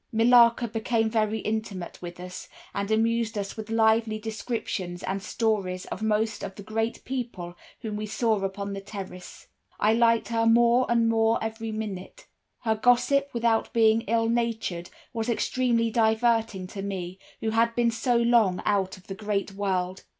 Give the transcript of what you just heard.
Millarca became very intimate with us, and amused us with lively descriptions and stories of most of the great people whom we saw upon the terrace. I liked her more and more every minute. Her gossip without being ill natured, was extremely diverting to me, who had been so long out of the great world.